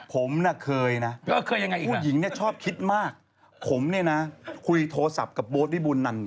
ผมน่ะเคยนะผู้หญิงเนี่ยชอบคิดมากผมเนี่ยนะคุยโทรศัพท์กับโบ๊ทวิบูลนัน